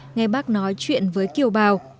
nghe bác nói chuyện với kiều bào